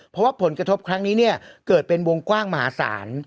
เพราะว่าผลกระทบครั้งนี้เนี่ยเกิดเป็นวงกว้างมหาศาล